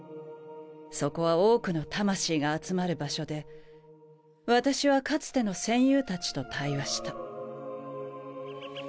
そこは多くの魂が集まる場所で私はかつての戦友たちと対話した。